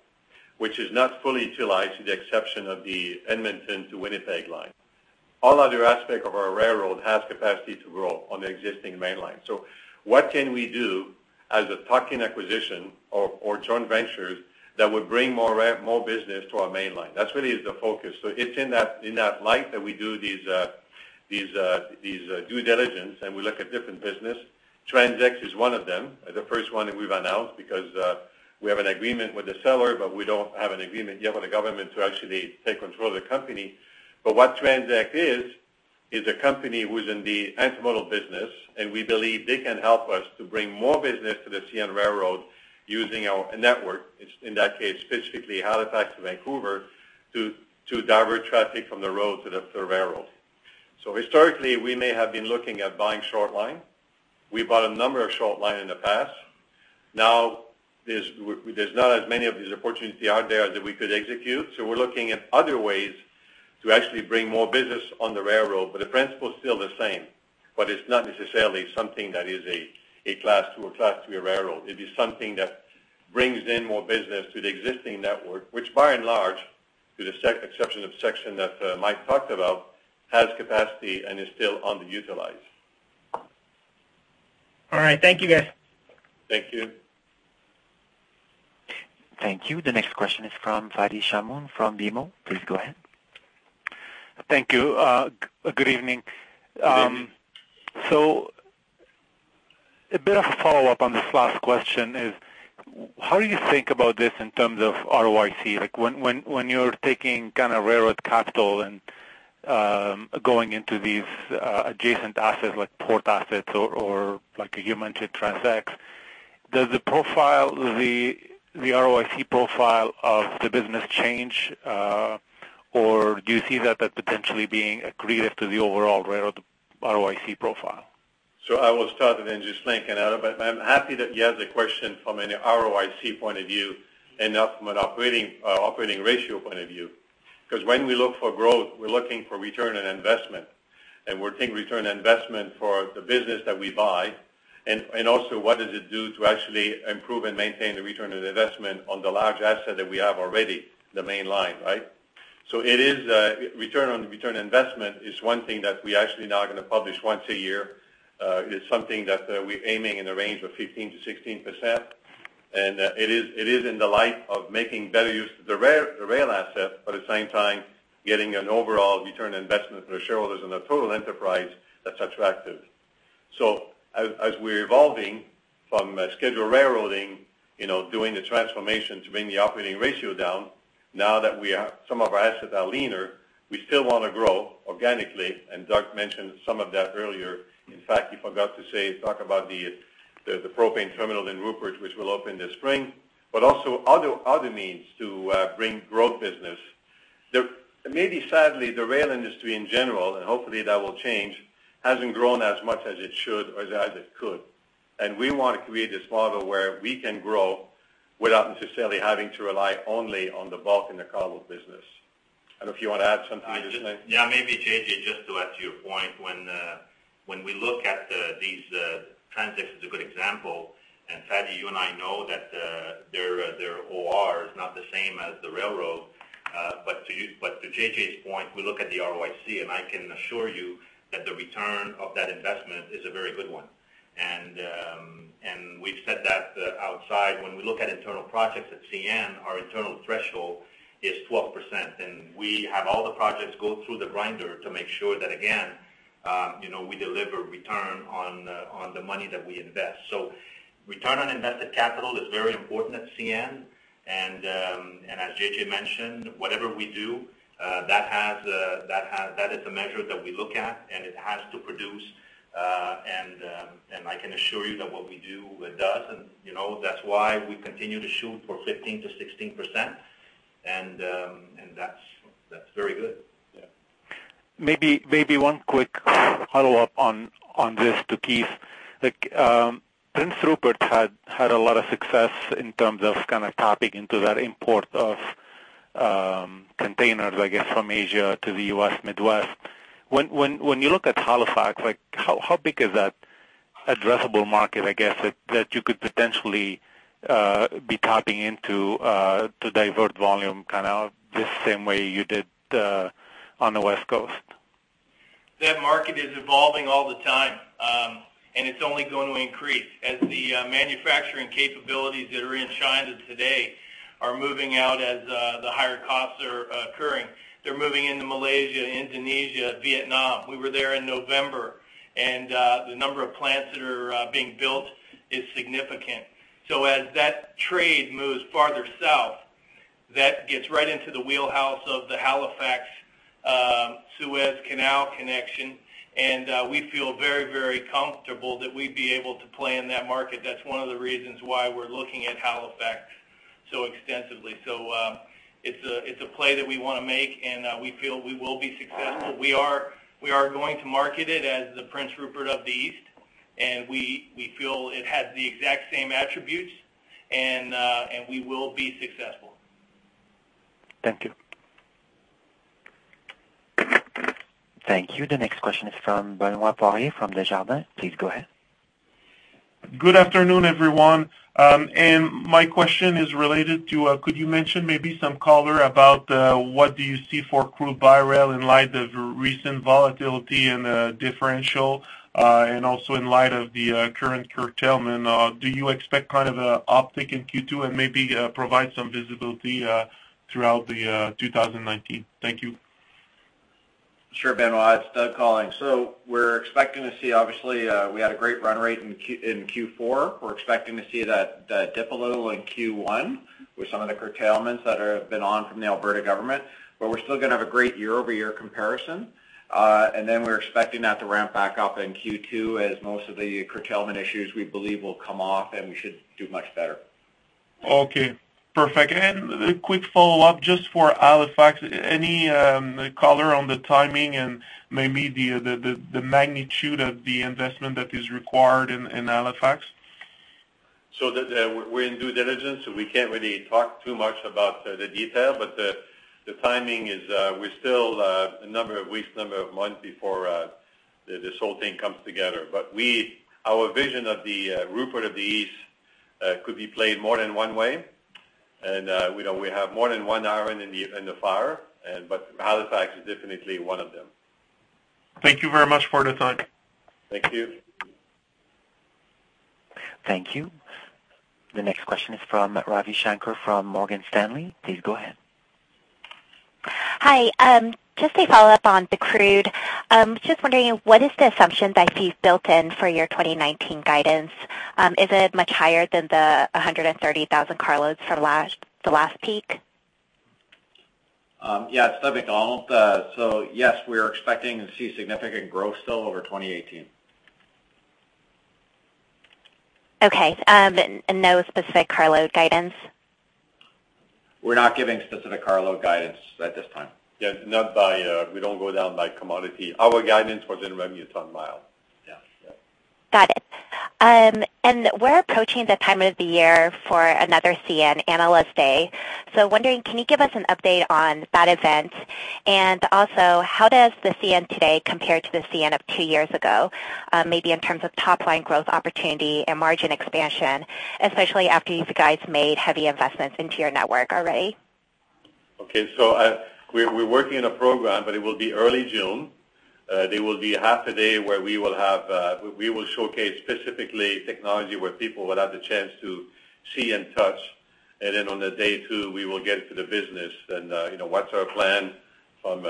which is not fully utilized, with the exception of the Edmonton to Winnipeg line. All other aspects of our railroad has capacity to grow on the existing mainline. So what can we do as a tuck-in acquisition or joint ventures that would bring more business to our mainline? That's really the focus. So it's in that light that we do these due diligence, and we look at different business. TransX is one of them, the first one that we've announced, because we have an agreement with the seller, but we don't have an agreement yet with the government to actually take control of the company. But what TransX is, is a company who's in the intermodal business, and we believe they can help us to bring more business to the CN Railroad using our network. It's in that case, specifically, Halifax to Vancouver, to divert traffic from the road to the railroad. So historically, we may have been looking at buying short line. We bought a number of short line in the past. Now, there's not as many of these opportunities out there that we could execute, so we're looking at other ways to actually bring more business on the railroad. But the principle is still the same, but it's not necessarily something that is a Class II or Class III railroad. It is something that brings in more business to the existing network, which by and large, with the exception of the section that Mike talked about, has capacity and is still underutilized. All right. Thank you, guys. Thank you. Thank you. The next question is from Fadi Chamoun from BMO. Please go ahead. Thank you. Good evening. Good evening. So, a bit of a follow-up on this last question is, how do you think about this in terms of ROIC? Like, when you're taking kind of railroad capital and going into these adjacent assets, like port assets or, like you mentioned, TransX, does the profile, the ROIC profile of the business change, or do you see that as potentially being accretive to the overall railroad ROIC profile? So I will start and then just link. But I'm happy that you ask the question from an ROIC point of view and not from an operating, operating ratio point of view. Because when we look for growth, we're looking for return on investment, and we're taking return on investment for the business that we buy. And also, what does it do to actually improve and maintain the return on investment on the large asset that we have already, the mainline, right? So it is, return on investment is one thing that we actually now are going to publish once a year. It's something that, we're aiming in the range of 15%-16%. It is in the light of making better use of the rail asset, but at the same time, getting an overall return on investment for the shareholders and the total enterprise that's attractive. So as we're evolving from scheduled railroading, you know, doing the transformation to bring the operating ratio down, now that we are. Some of our assets are leaner, we still want to grow organically, and Doug mentioned some of that earlier. In fact, he forgot to say, talk about the propane terminal in Prince Rupert, which will open this spring, but also other means to bring growth business. The rail industry in general, and hopefully, that will change, hasn't grown as much as it should or as it could. We want to create this model where we can grow without necessarily having to rely only on the bulk and the cargo business. If you want to add something, just like- Yeah, maybe, JJ, just to add to your point, when we look at these, TransX is a good example, and Fadi, you and I know that, their OR is not the same as the railroad. But to use - but to JJ's point, we look at the ROIC, and I can assure you that the return of that investment is a very good one. And, and we've said that, outside, when we look at internal projects at CN, our internal threshold is 12%, and we have all the projects go through the grinder to make sure that, again, you know, we deliver return on, on the money that we invest. So return on invested capital is very important at CN, and as JJ mentioned, whatever we do, that is a measure that we look at, and it has to produce. And I can assure you that what we do, it does, and you know, that's why we continue to shoot for 15%-16%, and that's very good. Yeah. Maybe one quick follow-up on this to Keith. Like, Prince Rupert had a lot of success in terms of kind of tapping into that import of containers, I guess, from Asia to the U.S. Midwest. When you look at Halifax, like, how big is that addressable market, I guess, that you could potentially be tapping into to divert volume, kind of the same way you did on the West Coast? That market is evolving all the time, and it's only going to increase. As the manufacturing capabilities that are in China today are moving out, as the higher costs are occurring, they're moving into Malaysia, Indonesia, Vietnam. We were there in November, and the number of plants that are being built is significant. So as that trade moves farther south, that gets right into the wheelhouse of the Halifax Suez Canal connection, and we feel very, very comfortable that we'd be able to play in that market. That's one of the reasons why we're looking at Halifax so extensively. So the play that we wanna make, and we feel we will be successful. We are going to market it as the Prince Rupert of the East, and we feel it has the exact same attributes, and we will be successful. Thank you. Thank you. The next question is from Benoit Poirier, from Desjardins. Please go ahead. Good afternoon, everyone. My question is related to, could you mention maybe some color about what do you see for crude by rail in light of recent volatility and differential, and also in light of the current curtailment? Do you expect kind of a uptick in Q2 and maybe provide some visibility throughout the 2019? Thank you. Sure, Benoit. It's Doug calling. So we're expecting to see... Obviously, we had a great run rate in Q4. We're expecting to see that dip a little in Q1 with some of the curtailments that are, have been on from the Alberta government. But we're still gonna have a great year-over-year comparison. And then we're expecting that to ramp back up in Q2, as most of the curtailment issues, we believe, will come off, and we should do much better. Okay, perfect. And a quick follow-up, just for Halifax, any color on the timing and maybe the magnitude of the investment that is required in Halifax? So we're in due diligence, so we can't really talk too much about the detail. But the timing is, we're still a number of weeks, number of months before this whole thing comes together. But our vision of the Rupert of the East could be played more than one way. And we know we have more than one iron in the fire, and but Halifax is definitely one of them. Thank you very much for the time. Thank you. Thank you. The next question is from Ravi Shanker from Morgan Stanley. Please go ahead. Hi. Just a follow-up on the crude. Just wondering, what is the assumption that you've built in for your 2019 guidance? Is it much higher than the 130,000 carloads from last, the last peak? Yeah, it's Doug MacDonald. Yes, we are expecting to see significant growth still over 2018. Okay. No specific carload guidance? We're not giving specific carload guidance at this time. Yeah, not by... We don't go down by commodity. Our guidance was in revenue ton-miles. Yeah. Yeah. Got it. And we're approaching the time of the year for another CN Analyst Day. So wondering, can you give us an update on that event? And also, how does the CN today compare to the CN of two years ago, maybe in terms of top-line growth opportunity and margin expansion, especially after you guys made heavy investments into your network already? Okay. So, we're working on a program, but it will be early June. There will be half a day where we will have, we will showcase specifically technology, where people will have the chance to see and touch. And then on the day two, we will get to the business and, you know, what's our plan from,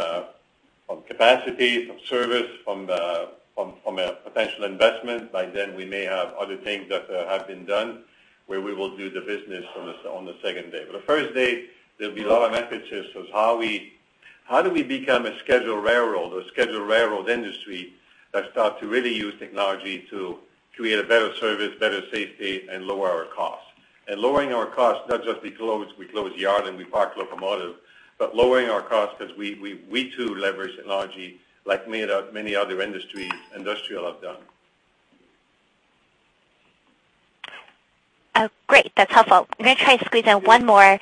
from capacity, from service, from a potential investment. By then, we may have other things that have been done, where we will do the business on the second day. But the first day, there'll be a lot of messages of how we - how do we become a scheduled railroad or scheduled railroad industry that start to really use technology to create a better service, better safety, and lower our costs? Lowering our costs, not just we close yards and we park locomotives, but lowering our costs because we too leverage technology like many other industries have done. Oh, great. That's helpful. I'm gonna try to squeeze in one more.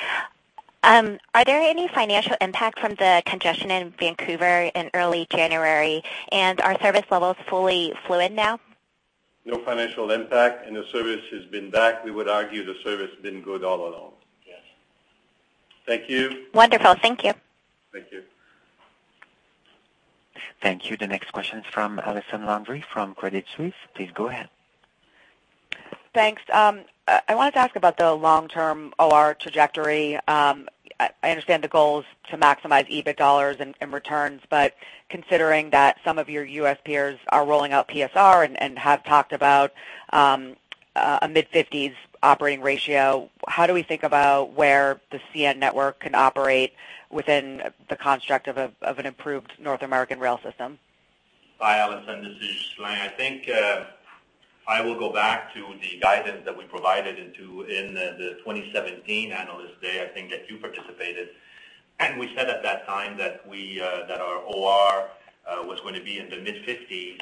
Are there any financial impact from the congestion in Vancouver in early January, and are service levels fully fluid now? No financial impact, and the service has been back. We would argue the service been good all along. Yes. Thank you. Wonderful. Thank you. Thank you. Thank you. The next question is from Allison Landry from Credit Suisse. Please go ahead. Thanks. I wanted to ask about the long-term OR trajectory. I understand the goal is to maximize EBIT dollars and returns, but considering that some of your US peers are rolling out PSR and have talked about a mid-50s operating ratio, how do we think about where the CN network can operate within the construct of an improved North American rail system? Hi, Allison. This is Ghislain Houle. I think, I will go back to the guidance that we provided in the 2017 Analyst Day. I think that you participated. We said at that time that we, that our OR was going to be in the mid-50s.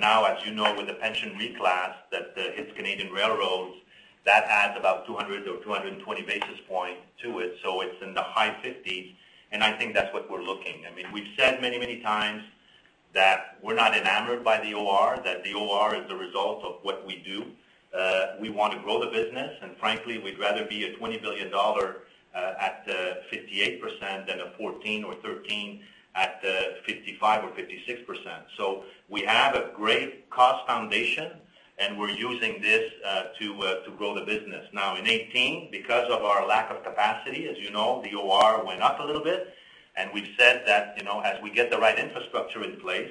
Now, as you know, with the pension reclass, that hits Canadian railroads, that adds about 200 or 220 basis points to it, so it's in the high 2050s, and I think that's what we're looking. I mean, we've said many, many times that we're not enamored by the OR, that the OR is the result of what we do. We want to grow the business, and frankly, we'd rather be a $20 billion at 58% than a $14 billion or $13 billion at 55% or 56%. So we have a great cost foundation, and we're using this to grow the business. Now, in 2018, because of our lack of capacity, as you know, the OR went up a little bit, and we've said that, you know, as we get the right infrastructure in place,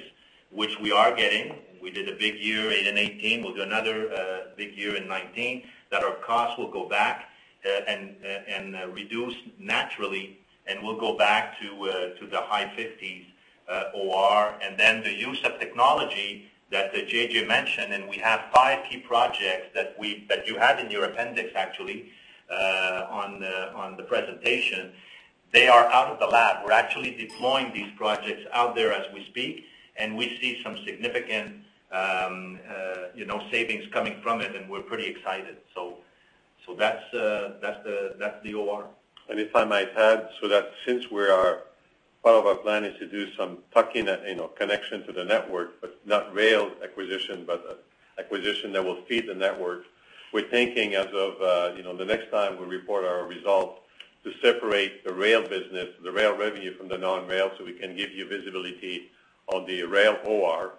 which we are getting, we did a big year in 2018. We'll do another big year in 2019, that our costs will go back and reduce naturally, and we'll go back to the high fifties.... OR, and then the use of technology that JJ mentioned, and we have five key projects that you have in your appendix, actually, on the presentation. They are out of the lab. We're actually deploying these projects out there as we speak, and we see some significant, you know, savings coming from it, and we're pretty excited. So that's the OR. And if I might add, so that since we are, part of our plan is to do some tuck-in, you know, connection to the network, but not rail acquisition, but acquisition that will feed the network. We're thinking as of, you know, the next time we report our results, to separate the rail business, the rail revenue from the non-rail, so we can give you visibility on the rail OR,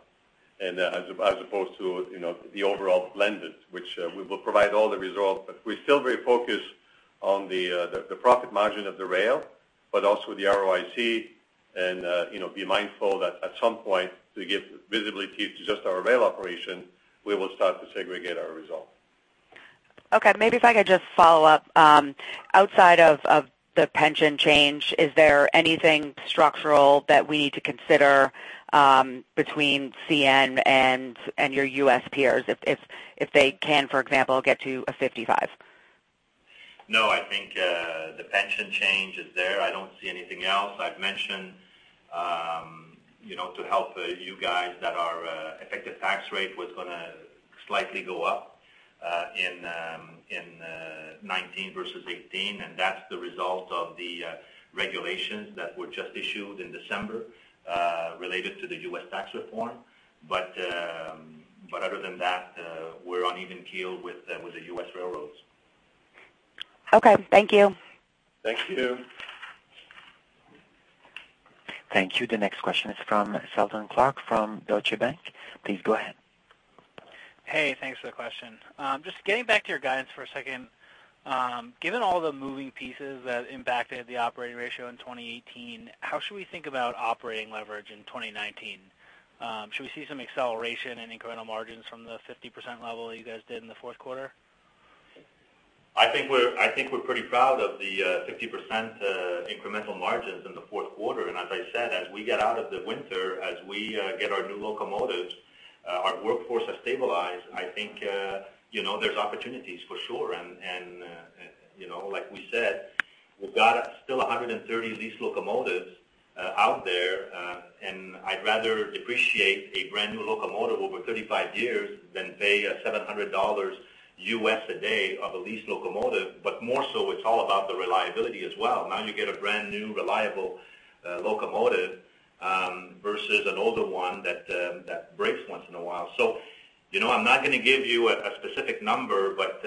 and as opposed to, you know, the overall blended, which we will provide all the results. But we're still very focused on the profit margin of the rail, but also the ROIC, and you know, be mindful that at some point, to give visibility to just our rail operation, we will start to segregate our results. Okay. Maybe if I could just follow up. Outside of the pension change, is there anything structural that we need to consider between CN and your U.S. peers, if they can, for example, get to a 55? No, I think, the pension change is there. I don't see anything else. I've mentioned, you know, to help you guys that our effective tax rate was gonna slightly go up, in 2019 versus 2018, and that's the result of the regulations that were just issued in December, related to the U.S. tax reform. But other than that, we're on even keel with the U.S. railroads. Okay. Thank you. Thank you. Thank you. The next question is from Seldon Clarke, from Deutsche Bank. Please go ahead. Hey, thanks for the question. Just getting back to your guidance for a second. Given all the moving pieces that impacted the operating ratio in 2018, how should we think about operating leverage in 2019? Should we see some acceleration in incremental margins from the 50% level that you guys did in the fourth quarter? I think we're pretty proud of the 50% incremental margins in the fourth quarter. And as I said, as we get out of the winter, as we get our new locomotives, our workforce has stabilized. I think, you know, there's opportunities for sure. And, you know, like we said, we've got still 130 leased locomotives out there, and I'd rather depreciate a brand-new locomotive over 35 years than pay $700 a day for a leased locomotive. But more so, it's all about the reliability as well. Now, you get a brand-new, reliable, locomotive versus an older one that breaks once in a while. So, you know, I'm not gonna give you a specific number, but,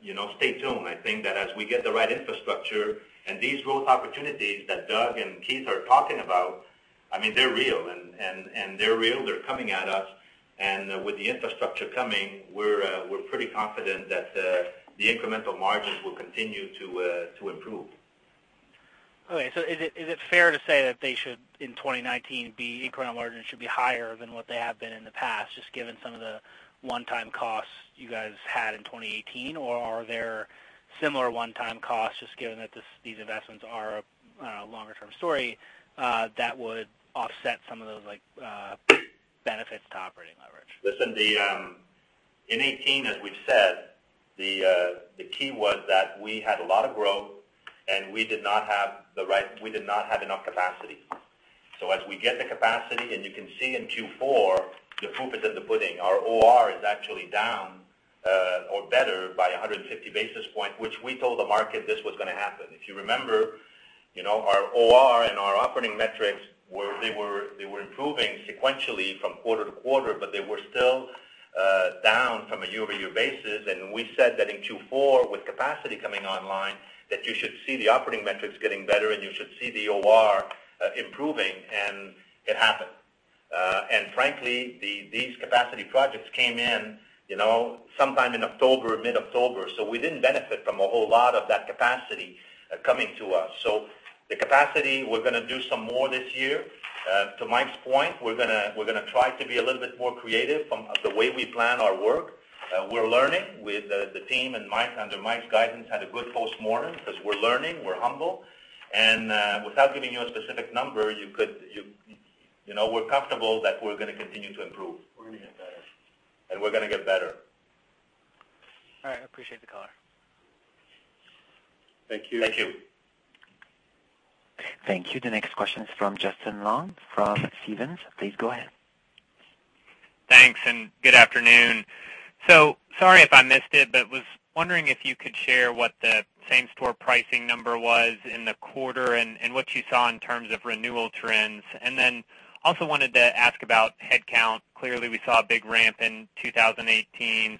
you know, stay tuned. I think that as we get the right infrastructure and these growth opportunities that Doug and Keith are talking about, I mean, they're real, and they're real, they're coming at us. And with the infrastructure coming, we're pretty confident that the incremental margins will continue to improve. Okay. So is it fair to say that they should, in 2019, be incremental margins should be higher than what they have been in the past, just given some of the one-time costs you guys had in 2018? Or are there similar one-time costs, just given that these investments are a longer-term story, that would offset some of those, like, benefits to operating leverage? Listen, the, in 2018, as we've said, the key was that we had a lot of growth, and we did not have the right, we did not have enough capacity. So as we get the capacity, and you can see in Q4, the proof is in the pudding. Our OR is actually down, or better by 150 basis points, which we told the market this was gonna happen. If you remember, you know, our OR and our operating metrics were, they were, they were improving sequentially from quarter to quarter, but they were still, down from a year-over-year basis. And we said that in Q4, with capacity coming online, that you should see the operating metrics getting better, and you should see the OR, improving, and it happened. And frankly, these capacity projects came in, you know, sometime in October, mid-October, so we didn't benefit from a whole lot of that capacity coming to us. So the capacity, we're gonna do some more this year. To Mike's point, we're gonna try to be a little bit more creative from the way we plan our work. We're learning with the team, and under Mike's guidance, had a good postmortem because we're learning, we're humble. And without giving you a specific number, you know, we're comfortable that we're gonna continue to improve. We're gonna get better. We're gonna get better. All right. I appreciate the call. Thank you. Thank you. Thank you. The next question is from Justin Long, from Stephens. Please go ahead. Thanks, and good afternoon. Sorry if I missed it, but was wondering if you could share what the same-store pricing number was in the quarter and what you saw in terms of renewal trends. Then also wanted to ask about headcount. Clearly, we saw a big ramp in 2018.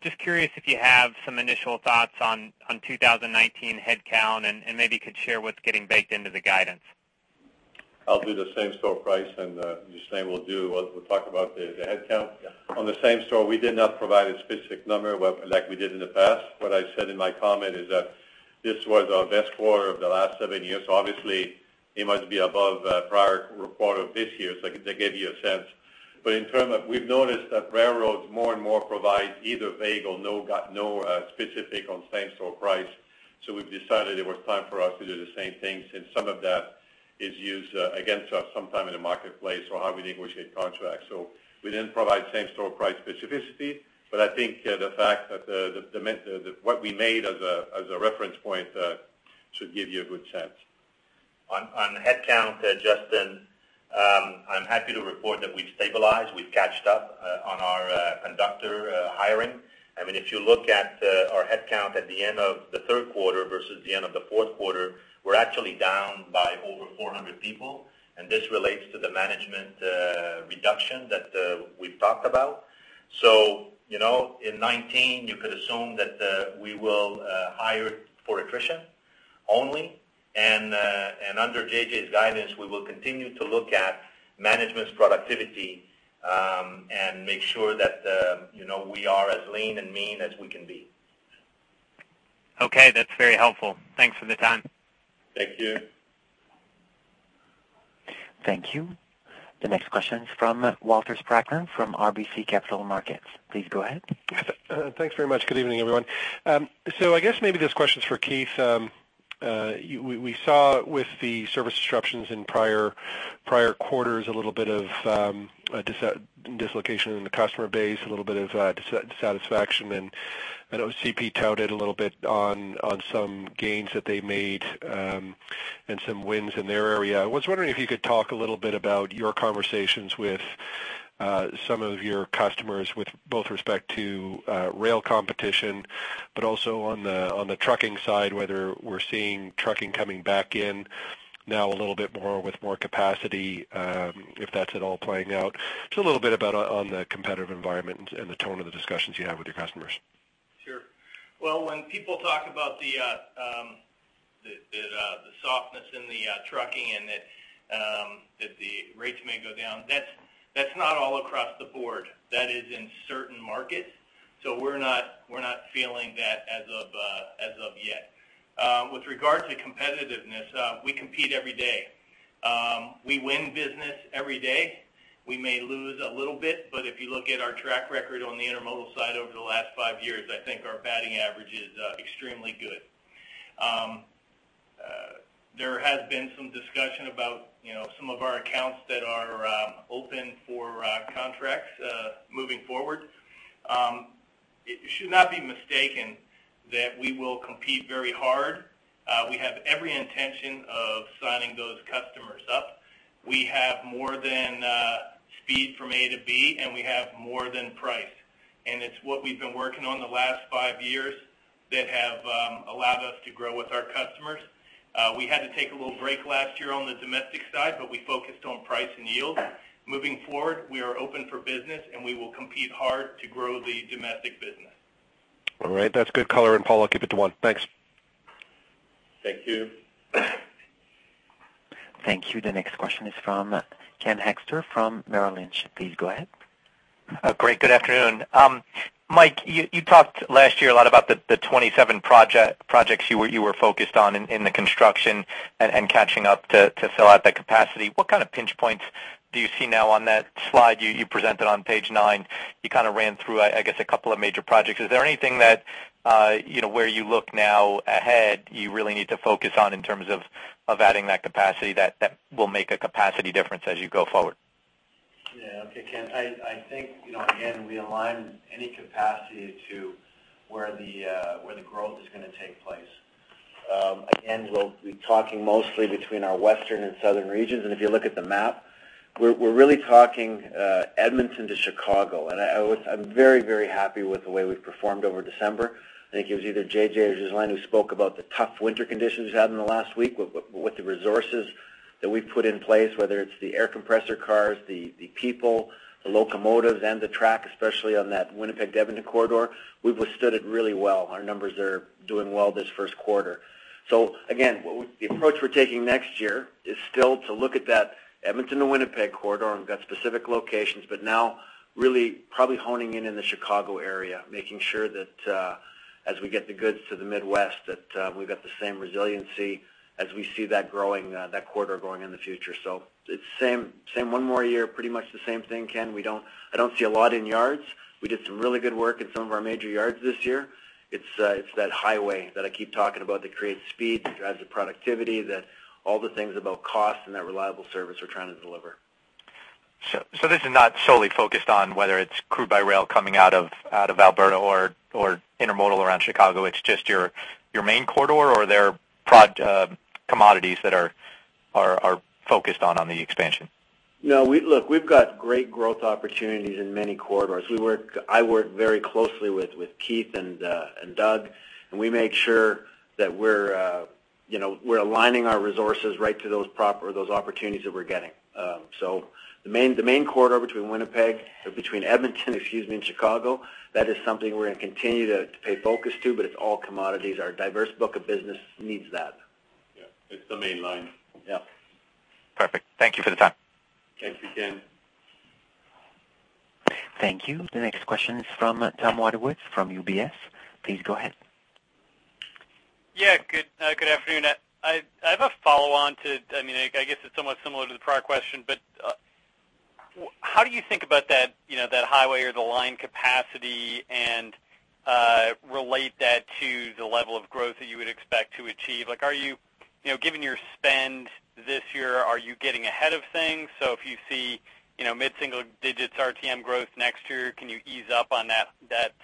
Just curious if you have some initial thoughts on 2019 headcount and maybe you could share what's getting baked into the guidance. I'll do the same-store price, and Justin will talk about the headcount. Yeah. On the same-store, we did not provide a specific number, but like we did in the past. What I said in my comment is that this was our best quarter of the last seven years. So obviously, it must be above prior quarter of this year. So I can give you a sense. But in terms of... We've noticed that railroads more and more provide either vague or no specific on same-store price.... So we've decided it was time for us to do the same thing, since some of that is used against us sometime in the marketplace or how we negotiate contracts. So we didn't provide same-store price specificity, but I think the fact that what we made as a reference point should give you a good sense. On headcount, Justin, I'm happy to report that we've stabilized. We've caught up on our conductor hiring. I mean, if you look at our headcount at the end of the third quarter versus the end of the fourth quarter, we're actually down by over 400 people, and this relates to the management reduction that we've talked about. So, you know, in 2019, you could assume that we will hire for attrition only. And under JJ's guidance, we will continue to look at management's productivity, and make sure that, you know, we are as lean and mean as we can be. Okay, that's very helpful. Thanks for the time. Thank you. Thank you. The next question is from Walter Spracklin, from RBC Capital Markets. Please go ahead. Thanks very much. Good evening, everyone. So I guess maybe this question is for Keith. We saw with the service disruptions in prior quarters, a little bit of a dislocation in the customer base, a little bit of dissatisfaction. And I know CP touted a little bit on some gains that they made, and some wins in their area. I was wondering if you could talk a little bit about your conversations with some of your customers, with both respect to rail competition, but also on the trucking side, whether we're seeing trucking coming back in now a little bit more with more capacity, if that's at all playing out. Just a little bit about on the competitive environment and the tone of the discussions you have with your customers. Sure. Well, when people talk about the softness in the trucking and that the rates may go down, that's not all across the board. That is in certain markets. So we're not, we're not feeling that as of yet. With regard to competitiveness, we compete every day. We win business every day. We may lose a little bit, but if you look at our track record on the intermodal side over the last five years, I think our batting average is extremely good. There has been some discussion about, you know, some of our accounts that are open for contracts moving forward. You should not be mistaken that we will compete very hard. We have every intention of signing those customers up. We have more than speed from A to B, and we have more than price. And it's what we've been working on the last five years that have allowed us to grow with our customers. We had to take a little break last year on the domestic side, but we focused on price and yield. Moving forward, we are open for business, and we will compete hard to grow the domestic business. All right. That's good color, and Paula, keep it to one. Thanks. Thank you. Thank you. The next question is from Ken Hoexter from Merrill Lynch. Please go ahead. Great. Good afternoon. Mike, you talked last year a lot about the 27 projects you were focused on in the construction and catching up to fill out that capacity. What kind of pinch points do you see now on that slide you presented on page nine? You kind of ran through, I guess, a couple of major projects. Is there anything that, you know, where you look now ahead, you really need to focus on in terms of adding that capacity that will make a capacity difference as you go forward? Yeah. Okay, Ken, I think, you know, again, we align any capacity to where the, where the growth is gonna take place. Again, we'll be talking mostly between our Western and Southern regions, and if you look at the map, we're really talking, Edmonton to Chicago. And I'm very, very happy with the way we've performed over December. I think it was either JJ or Joseline who spoke about the tough winter conditions we had in the last week. But with the resources that we've put in place, whether it's the air compressor cars, the people, the locomotives, and the track, especially on that Winnipeg-Edmonton corridor, we've withstood it really well. Our numbers are doing well this first quarter. So again, the approach we're taking next year is still to look at that Edmonton to Winnipeg corridor, and we've got specific locations, but now really probably honing in in the Chicago area, making sure that as we get the goods to the Midwest, that we've got the same resiliency as we see that growing, that corridor growing in the future. So it's the same, same one more year, pretty much the same thing, Ken. I don't see a lot in yards. We did some really good work in some of our major yards this year. It's that highway that I keep talking about that creates speed, that drives the productivity, that all the things about cost and that reliable service we're trying to deliver. So this is not solely focused on whether it's crude by rail coming out of Alberta or intermodal around Chicago. It's just your main corridor, or there are commodities that are focused on the expansion? No, we... Look, we've got great growth opportunities in many corridors. We work-- I work very closely with, with Keith and, and Doug, and we make sure that we're, you know, we're aligning our resources right to those proper-- those opportunities that we're getting. So the main, the main corridor between Winnipeg or between Edmonton, excuse me, and Chicago, that is something we're gonna continue to, to pay focus to, but it's all commodities. Our diverse book of business needs that. Yeah, it's the main line. Yeah. Perfect. Thank you for the time. Thanks again. Thank you. The next question is from Tom Wadewitz, from UBS. Please go ahead. Yeah, good afternoon. I have a follow-on to, I mean, I guess it's somewhat similar to the prior question, but, ... how do you think about that, you know, that highway or the line capacity and relate that to the level of growth that you would expect to achieve? Like, are you, you know, given your spend this year, are you getting ahead of things? So if you see, you know, mid-single digits RTM growth next year, can you ease up on that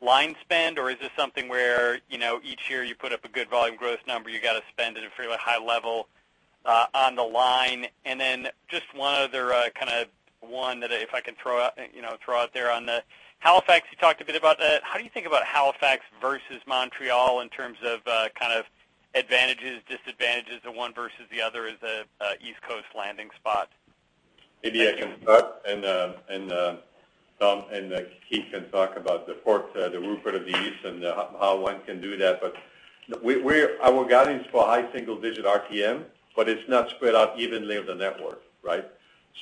line spend? Or is this something where, you know, each year you put up a good volume growth number, you got to spend at a fairly high level on the line. And then just one other kind of one that if I can throw out, you know, throw out there on the Halifax, you talked a bit about that. How do you think about Halifax versus Montreal in terms of, kind of advantages, disadvantages of one versus the other as a, East Coast landing spot? Maybe I can start, and Tom and Keith can talk about the ports, Prince Rupert, the East and how one can do that. But we're - our guidance for high single digit RTM, but it's not spread out evenly on the network, right?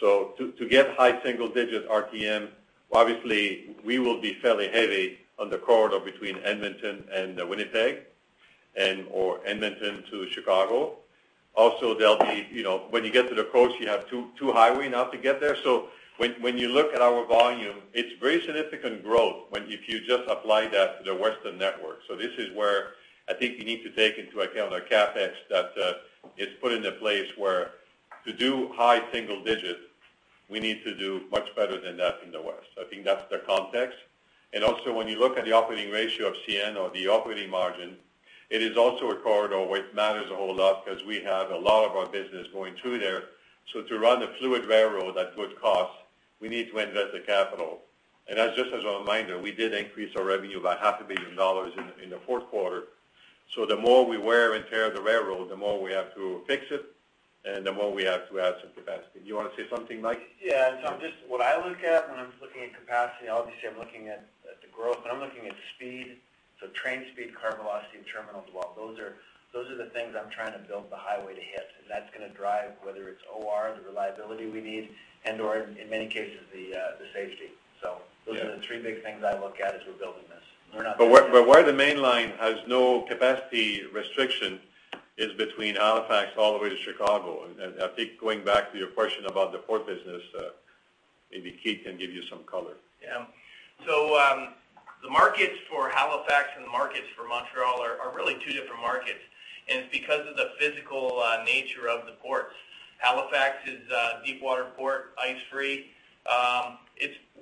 So to get high single digit RTM, obviously, we will be fairly heavy on the corridor between Edmonton and Winnipeg and, or Edmonton to Chicago. Also, there'll be, you know, when you get to the coast, you have two highways now to get there. So when you look at our volume, it's very significant growth when if you just apply that to the Western network. So this is where I think you need to take into account our CapEx, that is put into place where to do high single digits, we need to do much better than that in the West. I think that's the context. And also, when you look at the operating ratio of CN or the operating margin, it is also a corridor which matters a whole lot because we have a lot of our business going through there. So to run a fluid railroad at good cost, we need to invest the capital. And as just as a reminder, we did increase our revenue by $500 million in the fourth quarter. So the more we wear and tear the railroad, the more we have to fix it, and the more we have to add some capacity. You want to say something, Mike? Yeah. So I'm just what I look at when I'm looking at capacity, obviously, I'm looking at the growth, but I'm looking at speed. So train speed, car velocity, and terminals as well. Those are the things I'm trying to build the highway to hit, and that's gonna drive whether it's OR, the reliability we need, and/or in many cases, the safety. Yeah. So those are the three big things I look at as we're building this. We're not- But where the main line has no capacity restriction is between Halifax all the way to Chicago. And I think, going back to your question about the port business, maybe Keith can give you some color. Yeah. So, the markets for Halifax and the markets for Montreal are really two different markets, and it's because of the physical nature of the ports. Halifax is a deep water port, ice-free. It's.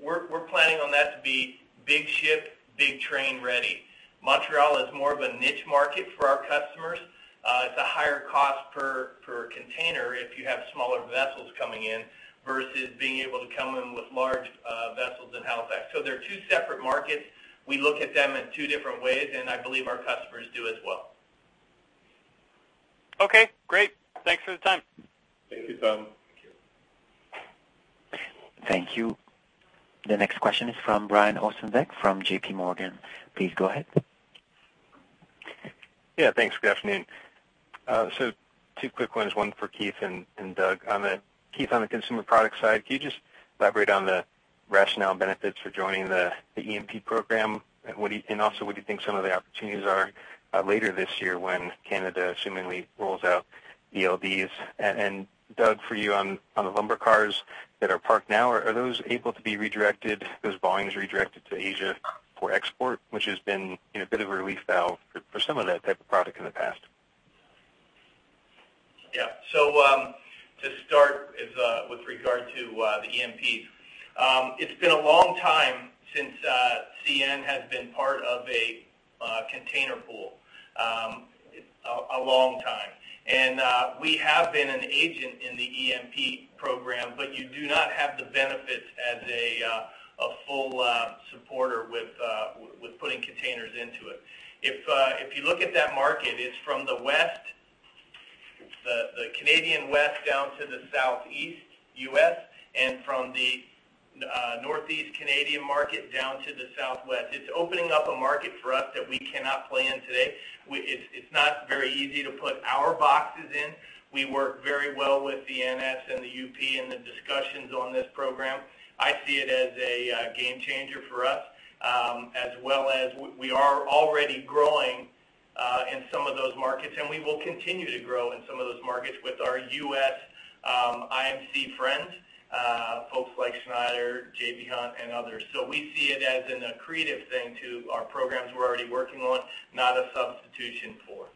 We're planning on that to be big ship, big train ready. Montreal is more of a niche market for our customers. It's a higher cost per container if you have smaller vessels coming in versus being able to come in with large vessels in Halifax. So they're two separate markets. We look at them in two different ways, and I believe our customers do as well. Okay, great. Thanks for the time. Thank you, Tom. Thank you. Thank you. The next question is from Brian Ossenbeck, from JPMorgan. Please go ahead. Yeah, thanks. Good afternoon. So two quick ones, one for Keith and Doug. On the—Keith, on the consumer product side, can you just elaborate on the rationale and benefits for joining the EMP program? And what do you—and also, what do you think some of the opportunities are later this year when Canada seemingly rolls out ELDs? And Doug, for you on the lumber cars that are parked now, are those able to be redirected, those volumes redirected to Asia for export, which has been, you know, a bit of a relief valve for some of that type of product in the past? Yeah. So, to start is, with regard to, the EMP. It's been a long time since, CN has been part of a, container pool. A long time. And, we have been an agent in the EMP program, but you do not have the benefits as a, a full, supporter with, with putting containers into it. If, if you look at that market, it's from the West, the, the Canadian West down to the Southeast U.S., and from the, Northeast Canadian market down to the Southwest. It's opening up a market for us that we cannot play in today. We - it's, it's not very easy to put our boxes in. We work very well with the NS and the UP in the discussions on this program. I see it as a game changer for us, as well as we are already growing in some of those markets, and we will continue to grow in some of those markets with our US IMC friends, folks like Schneider, J.B. Hunt, and others. So we see it as an accretive thing to our programs we're already working on, not a substitution for.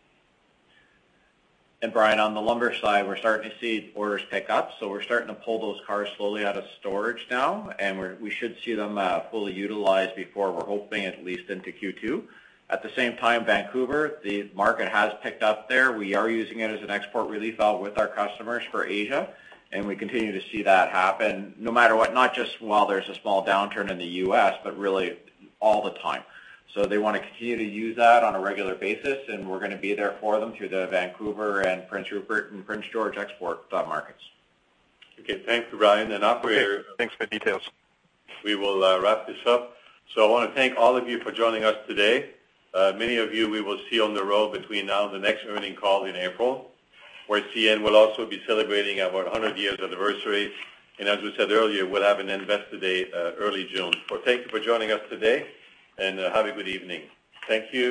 And, Brian, on the lumber side, we're starting to see orders pick up, so we're starting to pull those cars slowly out of storage now, and we should see them fully utilized before we're hoping at least into Q2. At the same time, Vancouver, the market has picked up there. We are using it as an export relief out with our customers for Asia, and we continue to see that happen no matter what, not just while there's a small downturn in the U.S., but really all the time. So they want to continue to use that on a regular basis, and we're gonna be there for them through the Vancouver and Prince Rupert and Prince George export markets. Okay, thank you, Brian. And now we're- Thanks for the details. We will wrap this up. So I want to thank all of you for joining us today. Many of you we will see on the road between now and the next earnings call in April, where CN will also be celebrating our 100 years anniversary. And as we said earlier, we'll have an Investor Day early June. So thank you for joining us today, and have a good evening. Thank you.